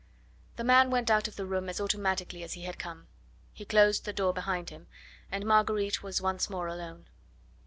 The man went out of the room as automatically as he had come. He closed the door behind him, and Marguerite was once more alone.